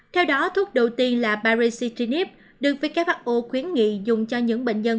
theo đó thuốc đầu tiên là paraceityp được who khuyến nghị dùng cho những bệnh nhân